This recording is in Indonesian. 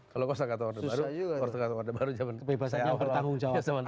kalau kau salah kata warna baru kebebasan yang bertanggung jawab